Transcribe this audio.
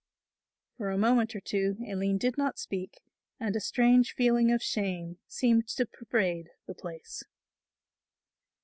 For a moment or two Aline did not speak and a strange feeling of shame seemed to pervade the place.